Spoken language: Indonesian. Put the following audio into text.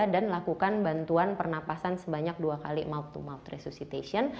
dan lakukan bantuan pernapasan sebanyak dua kali mouth to mouth resusitasi